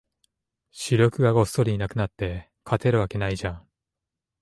主力がごっそりいなくなって、勝てるわけないじゃん